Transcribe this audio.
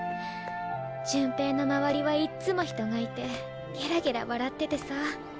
潤平の周りはいっつも人がいてゲラゲラ笑っててさ。